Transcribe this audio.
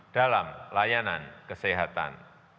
dalam layanan kesehatan